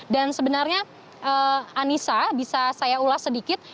dan sebenarnya anissa bisa saya ulas sedikit